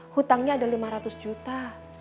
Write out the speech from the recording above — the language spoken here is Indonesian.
hutangnya ada lima ratus juta